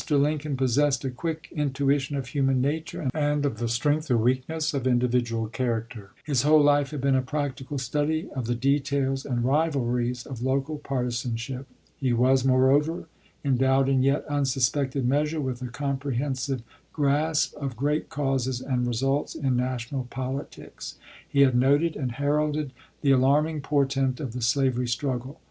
Lincoln possessed a quick intuition of human nature and of the strength or weakness of individual character. His whole life had been a practical study of the details and rivalries of local partisanship. He was, moreover, endowed in yet unsuspected measure with a comprehensive grasp of great causes and results in national politics. He had noted and heralded the alarming portent of the slavery struggle.